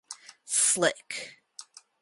Slick!